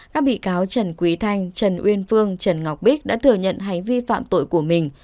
các bị cáo trần quý thanh trần uyên phương trần ngọc bích đã thừa nhận hành vi phạm tội của mình